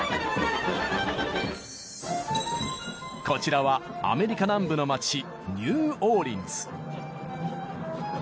こちらはアメリカ南部の街ニューオーリンズ。